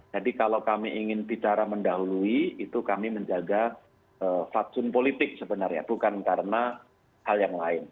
jadi kalau kami ingin bicara mendahului itu kami menjaga faksun politik sebenarnya bukan karena hal yang lain